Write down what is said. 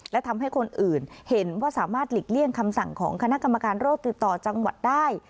และทำให้คนอื่นเห็นว่าสามารถหลีกเลี่ยงคำสั่งของคณะกรรมการโรคติดต่อจังหวัดได้